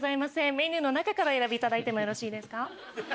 メニューの中からお選びいただいてもよろしいですか？